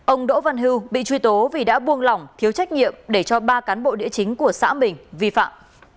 ông đỗ văn hưu bị truy tố vì đã buông lỏng thiếu trách nhiệm để cho ba cán bộ địa chính của xã mình vi phạm